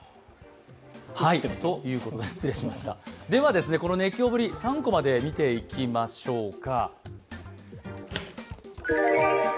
では、この熱狂ぶり３コマで見ていきましょうか。